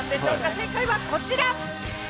正解はこちら！